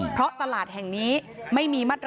เพราะตลาดแห่งนี้